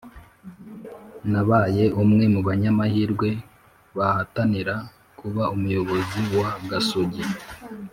nabaye umwe mu banyamahirwe bahatanira kuba umuyobozi wa Gasogi